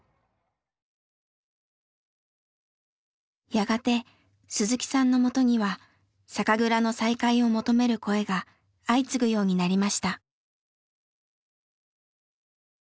やがて鈴木さんのもとには酒蔵の再開を求める声が相次ぐようになりました。